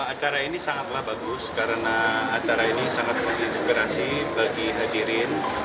acara ini sangatlah bagus karena acara ini sangat menginspirasi bagi hadirin